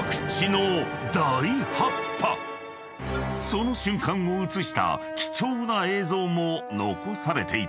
［その瞬間を映した貴重な映像も残されていた］